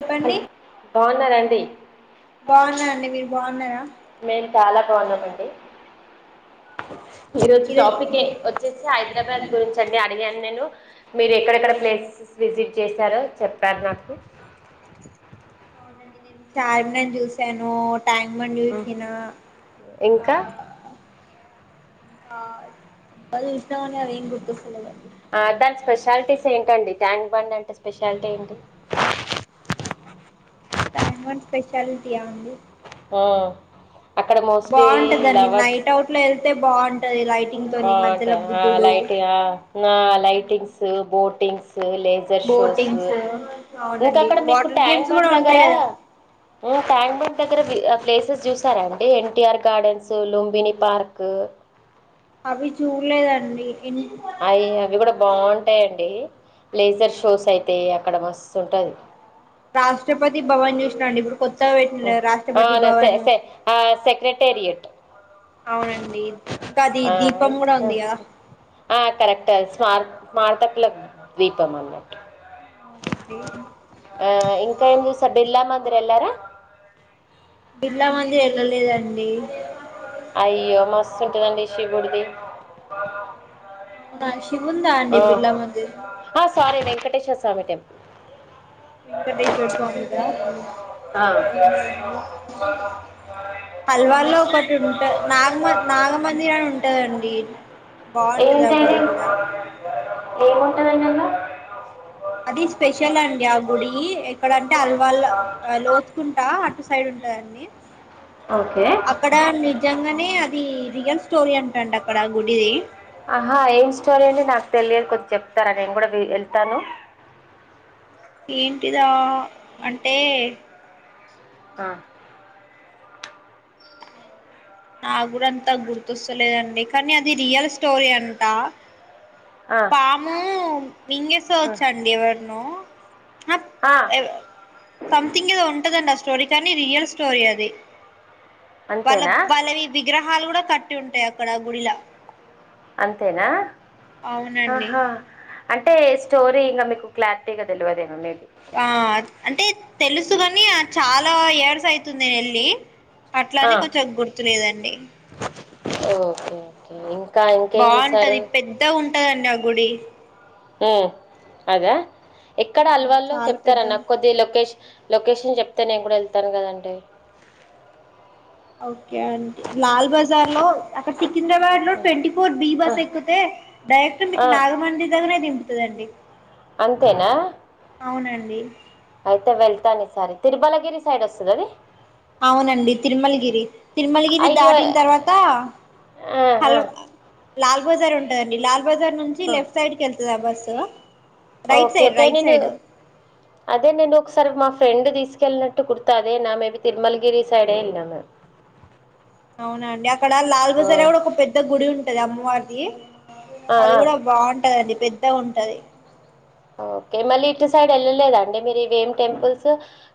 చెప్పండి బాగున్నారండి బాగున్నా అండి మీరు బాగున్నారా మేము చాలా బాగున్నామండి ఈ రోజు ఈరోజు టాపిక్ వచ్చేసి హైదరాబాద్ గురించి అండి అడిగాను నేను మీరు ఎక్కడెక్కడ ప్లేసెస్ విజిట్ చేశారో చెప్పారు నాకు అవునండి నేన్ చార్మినార్ చూసాను ఆ ట్ ట్యాంక్ బండ్ ఉమ్, చూసిన ఆ ఇంకా ఆ ఇంకా చూసిన గాని ఆది ఏం గుర్తస్తలే ఆ దాని స్పెషాలిటీస్ ఏంటండి ట్యాంగ్ బండి అంటే స్పెషాలిటీ ఏంటి ట్యాంక్ బండ్ స్పెషాలిటీ ఆ అండీ ఆ అక్కడ మోస్ట్లీ బాగుంటదండి లవర్స్ నైట్ అవుట్ లో ఎళ్తే బాగుం బాగుంటాయి ఆ లైటి గ ఆ lightings boatings laser shows boatings అవునండి ఇంకాక్కడ మీకు వాటర్ ట్యాంక్ గేమ్స్ బడ్ కూడా దగ్గర ఉంటాయి కదా ట్యాంక్ బడ్ దగ్గర ప్లేసెస్ చూసారా అండి ఎన్టీఆర్ గార్డెన్స్ లుంబిని పార్క్ అవి చూడలేదండి ఎన్ని అయి అవి కూడా బాగుం ఉంటాడి లేజర్ షోస్ అయితే అక్కడ మస్తుంటది రాష్ట్రపతి భవన్ చూసినండి ఇప్పుడు కొత్త పెట్టిళ్లు కదా రాష్ట్రపతి సె భవన్ సె సెక్రటేరియట్ అవునండి ఇంకా అది ఆ దీపం కూడా ఉంది కదా ఆ కరెక్ట్ ఎ సార్ స్మార్తకుల ద్వీపం అన్నట్టు అవునండి ఆ ఇంకా ఏం చూస్ బిర్లా మందిర్ ఎల్లారా బిర్లా మందిర్ వెళ్ళలేదండి అయ్యో మస్తుంటుందండి శివుడిది మష్ ఆ అ సారి వెంకటేశ్వ సమిటెం వెంకటేశ్వర స్వామిదా అవునా అండీ హల్వార్లో ఒకటి ఉంట నాగమ నాగమందిర్ అని ఉంటందండి ఏంటైది ఏముంటందన్నాను ఆ [unintelligible] అది స్పెషల్ అండి ఆ గుడి ఎక్కడ అంట్ టే అలవాళ్ల్ లో లోతుకుంటా సైడ్ ఉంటదండి ఓకే అక్కడ నిజంగనే అది రియల్స్ స్టోరీ ఎంటంట అక్కడ గుడిది ఆహా ఏం స్టోరీ అండి నాక్ తెలియద్ కొద్ చెపుతరా నేను కూడా వే వెళ్తాను ఏంటిదా అంటే ఆ నా కూడా అంతా గుర్తొస్తలేదండి కానీ అది రియల్ స్టోరీ అంటా ఆ, పాము ఆ, మింగేసోచ్చాండి ఎవర్నో ఆప్ ఆ, ఎవర్ తంథింగ్ ఎదో ఉంటదండి ఆ స్టోరీ టెని రియల్ స్టోరి అది వాళ్ళ అంతేనా వాళ్ళవి విగ్రహాలు కూడా కట్ టుంటాయి అక్కడ గుడిలా అంతేనా అవునండి ఆహా అంటే స్టోరీ ఇంకా మీకు క్లారిటీగ్ తెలియదేమో మీకు ఆ అంటే తెలుసు కాని అద్ చాలా ఎన్నో ఇయర్స్ అయితుంది నేను ఎల్లి అట్లానే కొంచెం గుర్తులేదండి ఓకే ఓకే ఇంకా ఇంకేం చూసారు బాగుంటది పెద్ద ఉంటదండి ఆ గుడి ఆ అద ఎక్కడ అవునండి అల్వాళ్ల్లో చాలా చెపుతర పెద్దగా కొద్ది లొకేష్ లొకేషన్ చెప్తే నేను కూడా వెళ్తాన్ కద అంటే ఓకే అంటి లాల్ బజార్ లో అక్కడ సికింద్రాబాద్ లో ట్వంటీ ఫోర్ బి ఆ, బస్ ఎక్కితే డైరెక్ట్ ఆ, మీకు నాగమండ్రి దగ్గర తిగ్ తుదండి అంతేనా అవునండి అయితే వెళ్తాను ఈసారి తిరుమలగిరి సైడ్ వస్తద్ అది అవునండి తిరుమలగిరి తిరుమలగిరి అయ్యో దాటిన తర్వాత ఆ ఆ హల్ లాల్ బజారు ఉంటదండి లాల్ బాజార్ నుంచి ఆ లెఫ్ట్ సైడ్ కి వెళ్తది ఆ బస్ ఆ ఓకే ఓకే నేను అదే నేను ఒకసారి మా ఫ్రెండ్ తీసు కెళ్ నట్టు గుర్తు అదేనా నా మేబి తిరుమలగిరి సైడే వెళ్ళినాము మేమ్ అవునండి అక్కడ లాల్ బజారా కూడా ఒక పెద్ద గుడి ఉంట్ ఇది అమ్మార్ ది ఆ అది ఆ. గూడా బాగుంటదండి బెదు అంతే ఉంటది ఓకే మళ్ళీ ఇటు సైడ్ వెళ్ళలేదా అండి మీరు ఇవి ఏం టెంపుల్స్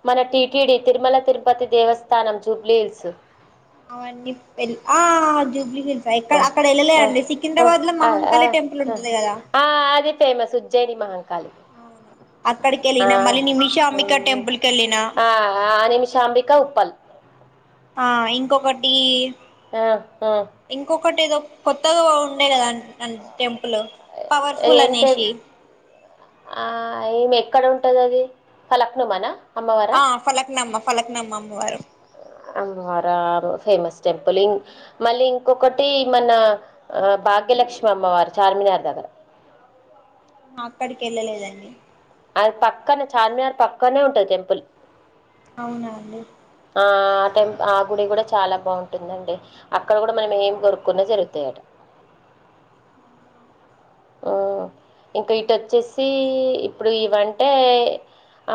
మన TTD Tirumala Tirupati Devasthanam Jubilee hills అవన్నీ వెల్ ఆ జూబ్లీ ఇక్కడ ఆ, అక్కడ వెళ్ళలే ఆ, అండి ఆ, సికింద్రాబాద్ లో ఆ, ఆ, మహంకాళి టెంపుల్ ఉంటది గదా జేడి మహన్ ఆ వెళ్ళిన మళ్ళీ నిమిష అంబిక టెంపుల్ కి వెళ్ళిన ఆ ఆ నిమిషాంబిక ఉప్పల్ ఆ ఇంకొకటి ఆ ఆ ఒకటి ఏదో కొత్తగా వో ఉండే గదా అం అం టెం పులో పవర్ఫుల్ ఏం టెం అనేసి ఆ ఈమె ఎక్కడ ఉంటంది అది ఫలక్ నమా నా ఆ ఫలక్ నమ్మ పలకనమ్మ అమ్మవారు అమ్మరారు ఫేమస్ టెంపుల్ లీన్ మళ్ళీ ఇంకొకటి మన భాగ్యలక్ష్మి అమ్మవారు చార్మినార్ దగ్గర అక్కడికి వెళ్ళలేదండి అది పక్కనే చార్మినార్ పక్కనే ఉంటంది టెంపుల్ అవునా అండి ఆ ఆ టైం ఆ గుడి గూడా చాలా బాగుంటుంది అండి అక్కడ గూడా మనం ఏం కోరుకున్నా జరుగుతాయట ఓ ఇంకా ఇటువచ్చేసి ఇప్పుడు ఇవి అంటే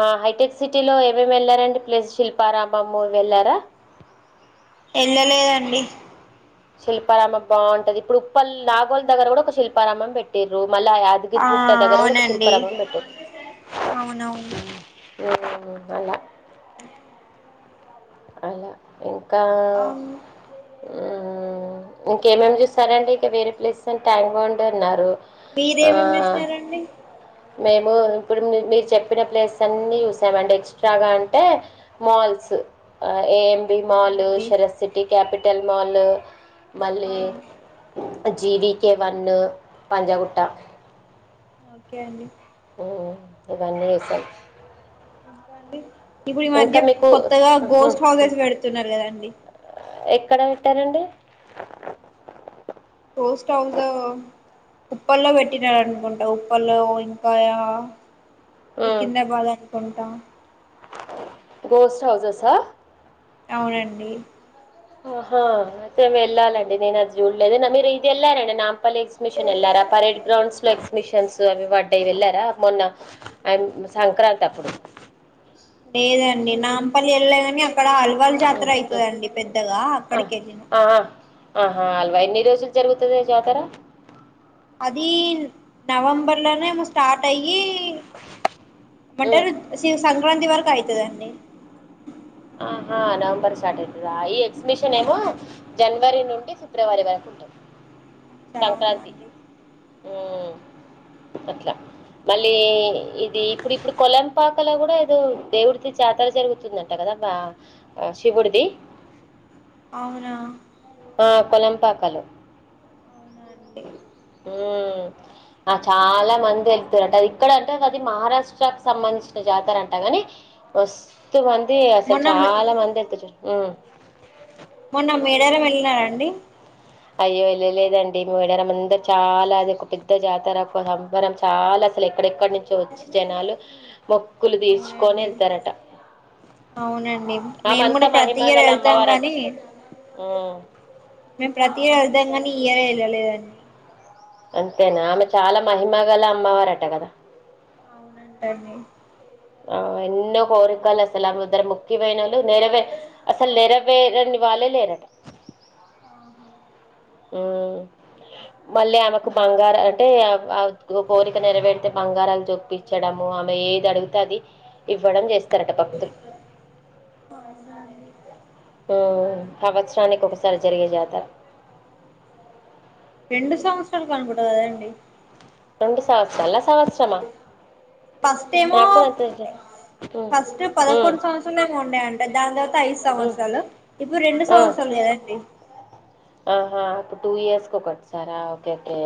ఆ హైటెక్ సిటీలో ఏం ఏం వెళ్లారండి ప్లస్ శిల్పారామము వెళ్ళారా వెళ్ళలేదు అండి శిల్పారామం బాగుంటది ఇప్పుడు ఉప్పల్ నాగోల్ దగ్గర గూడా ఒక శిల్పారామం పెట్టిరు మళ్ళా ఆ యాదగిరిగుట్ట దగ్గర గూడా ఒక అవునండి శిల్పారామం పెట్టిరు అవునవును మ్మ్ అల అలా ఇం గా ఉ ఇంక ఏం ఏం చూస్తారండి ఇక వేరే ప్లేసెస్ అని ట్యాంక్ బండ్ అన్నారు మీరు ఆ, ఏం ఏం చూసినారండి మేము ఇప్పుడు మీరు చెప్పిన ప్లేసెస్ అన్ని చూసామండి ఎక్స్ట్రా గా అంటే మాల్స్ ఆయ్ ఏఎంబి మాల్ అవునండి షరత్ సిటీ క్యాపిటల్ మాల్ ఆ మళ్ళీ జీ వి కె వన్ను పంజాగుట్ట ఓకే అండి ఉ ఇవన్నీ చూసాం ఇంక అండి ఇప్పుడు ఈ మధ్య మీకు కొత్తగా ఉహు, గోస్ట్ ఉహు. హౌసెస్ పెడుతున్నరు కదండి క్కడ పేట్యరండి పోస్ట్ హౌస్ ఉప్పల్లో వెట్టినారనుకుంట ఉప్పల్లో ఇంకా ఇ కిందకు [unintelligible] లె కుంట గోస్ట్ హౌసెస్ ఆ అవునండి ఆహా అయితే వెళ్ళాలండి నేను అది జూడ్లేదు అయిన మీరు ఇది వెళ్లార నిన్న మళ్ళీ ఎక్సిమిషన్ ఎల్లారా పరేడ్ గ్రౌండ్స్ లో ఎక్సిమిషన్ తెల్సు అవి వడ్డయి వెళ్ళారా మొన్న ఆన్ సంక్రాంతి అప్పుడు లేదండి నాంపల్లి ఎల్లేదని అక్కడ అల్వాల్ జాతర ఉమ్, ఉమ్. అయితదండి పెద్దగ అక్కడికి ఎల్లిన ఆహ అల్వా ఎన్ని రోజులు జరుగుతది జాతర అది నవంబర్ లోనేమో స్టార్ట్ అయి ఈ ఉమ్, వంటరు సి సంక్రాంతి వరకు అయితదండి ఆహ నవంబర్ స్టార్ట్ అయితద మిషన్ ఏమో అవునండి జన్వరి నున్ ఫిబ్రవరి వరకుంటది శ్ర అవునా అండి ఉమ్ అట్లా మళ్ళీ ఇది ఇప్పుడు ఇప్పుడు కొలంపాకలో కూడా ఏదో దేవుడిది జాతర జరుగుతున్ [unintelligible] శివుడిది అవునా ఆ కొలంపాకలు అవునా అండి ఉ ఆ చాలా మంది [unintelligible] ఇక్కడ అంటే అది మహారాష్ట్రకి సమ్మన్ జాతర అంటాగానీ వస్ తు మంది అసలు మొన్న చాలా మంది ఎత్తుకే ఊ మొన్న మేడారం వెళ్ళినారా ఆండీ అయ్యో వెళ్ళలేదండి మేడారం అందర్ చాలా అది ఒక పెద్ద జాతర అబ్బ సంబరం చాలా అసల్క్ అక్కడెక్కడి నుంచో వచ్చి జనాలు మొక్కులు తీర్చుకొని అవునండి వెళ్తారట అవునండి మేము ఆమంతా కూడా ప్రతి ఇయర్ మహిమగల వెళ్తాం అమ్మవారట గానీ మేము ప్రతి అర్థం గానీ ఈ ఇయర్ వెళ్ళలేదండి అంతేనా ఆమె చాలా మహిమ గల అమ్మవారట కదా అవునంటండి ఆ ఎన్నో కోరికలు అసలు ఆ ముద్దర ముక్కిపోయినాలు నరవే అసలు నెరవేరనివల్లే లేరట ఆహా ఉమ్ మళ్ళీ ఆమెకు బంగార అంటే ఆవ్ కోరిక నెరవెర్తే బంగారాలు చొప్పించడము ఆమె ఏ జడుగతది ఇవ్వడం చేస్తారట భక్తుల్ జరిగే జాతర రెండు సంవత్సరాలు కనపడవు కదా అండి రెండు సంవత్సరల సంవత్సరమా ఫస్ట్ ఏమో నాకు కూడా అంత ఎ ఉమ్ ఫస్ట్ ఉమ్ పదకొండ్ సంవత్సర్ ఏమో ఉండే అం దాని తర్వాత ఐదు ఉమ్ సంవత్సరాలు ఇప్పుడు రెండు ఆ సంవత్సరాలు కదండి ఆహా ఇప్పుడు టూ ఇయర్స్కి ఒకట్ సారా ఓకే ఓకే.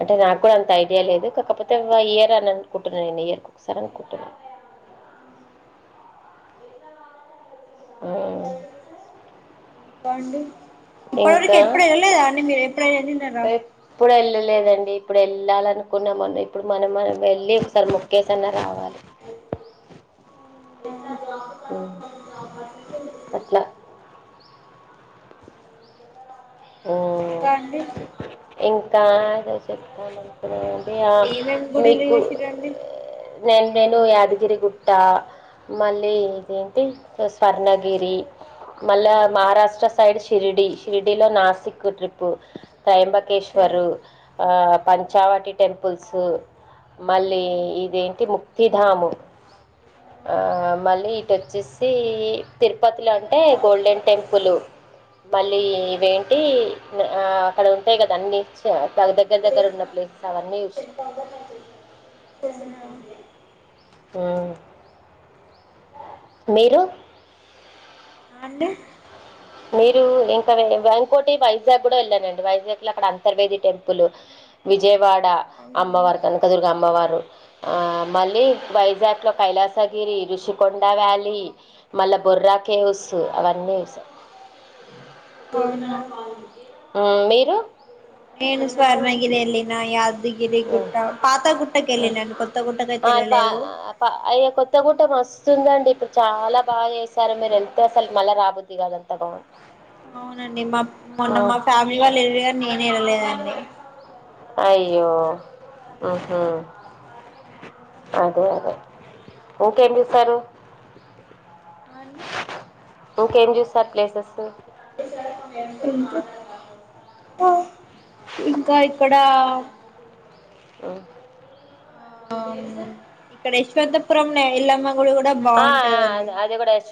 అంటే నాకు కూడా అంత ఐడియా లేదు కాకపోతే ఇయర్ అని అనుకుంటున్నాను నేను ఇయర్ క ఒకసారి అనుకుంటున్న. ఆ బాండింగ్ ఇప్పటివరకు ఎప్పుడు వెళ్ళలేదా అడి మీరు ఎప్పుడైనా వెళ్ళినార లేదండి ఇప్పుడు వెళ్ళాలనుకున్నా మనం ఇప్పుడు మనం మనం వెళ్ళి ఒకసారి ముొక్కేసన్నా రావాలి ఉం అట్ల ఇంకా హ్మ్. అండి ఇంకా ఎదో చెప్తాన్ అన్కునాన్ య ఏమేమి గుడిలు మీకు చూసిరండి నేన్ నేను యాదగిరి గుట్టా మళ్ళీ ఇదేంటి స్వర్ణగిరి మళ్ళా మహారాష్ట్ర సైడ్ షిర్డీ షిర్డిలో నా సిక్కు ట్రిప్పు ఓకే తయంబకేశ్వరు, ఆ పంచావటి టెంపుల్సు మళ్ళీ ఇదేంటి ముక్తిధాము ఆ మళ్ళీ. టోచ్చేసి తిరుపతిలో అంటే గోల్డెన్ టెంపుల్ మళ్ళీ ఓకే వెన్ టి న్ ఆ అక్కడ ఉంటాయి కదా అన్ని ఇచ్ దగ్గర దగ్గర ఉన్న ప్లేసెస్ అవన్నీ చుస్ ఉమ్ మీరు ఆ అండి మీరు ఇంకా వెంకోటి వైజాగ్ కూడా వెళ్ళానండి వైజాగ్ లో అక్కడ అంతర్వేది టెంపుల్ విజయవాడ అవునా అమ్మవారు కనకదుర్గ అమ్మవారు ఆ మళ్ళీ వైజాగ్ లో కైలాసగిరి రఋషికొండ వ్యాలీ మళ్ళా బొర్రా కేవ్స్ అవన్నీ పోన అ మీరు నేను స్వర్ణ గిర్ ఎల్లి నా యాద్ గిరి ఉమ్, గుట్ట పాత గుట్టక ఉమ్. ఎళ్ళినాన్ కొత్త గుట్టకైతె ఆ పా ఎళ్ళలేదు వస్తుందండి ఇప్పుడు చాలా బాగా చేశారు మీరు వెళ్తే అసలు మళ్ళా రాబద్ది కాదంతా బా అవునండి మా మొన్న మా ఫ్యామిలీ వాళ్ ఎలర్ నేనె వెళ్ళలేదండి అయ్యో ఉహు అదే అదే ఇంకేం చూసారు ఆ అండి ఇంకేం చూస్తారు ప్లాసెసు ఇంక ఇంకా ఇక్కడా ఆ ఆ ఇక్కడ యశ్వంతపురంనే ఎల్లమ పూలు గూడ బాగుంటదండి.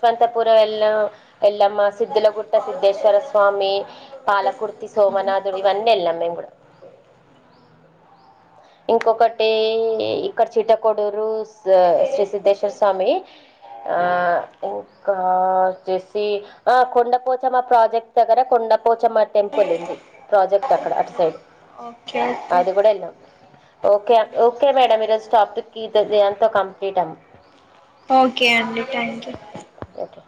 తంతపురం ఎళ్ళను. ఎల్లమ్మ, సిద్దులగుట్ట సిద్దేశ్వర స్వామి, పాలకుర్తి సోమనాథుడు ఇవన్నీ ఎల్లాం మేము గూడా. ఇంకొకటి, ఇక్కడ చిట్ట కొడ్డూరు స్ సీ శ్రీ సిధేశ్వర స్వామి ఆ ఇంకా వచ్చేసి, ఆ కొండపోచ్చమా ప్రాజెక్ట్ దగ్గర కొండప్ పోచమ్మ టెంపుల్ ఉంది ప్రాజెక్ట్ అక్కడ, అటు సైడ్ ఓకే ఓకే అది కూడా ఎళ్ళాం. ఓకే అన్ ఓకే మేడం. ఈరోజు స్టాప్ట్కి దయంతో కంప్లీట్ అమ్మ. ఓకే అండి, థ్యాంక్ యూ. ఓకే